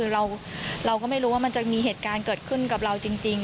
เราก็ไม่รู้ว่ามันจะมีเหตุการณ์เกิดขึ้นกับเราจริง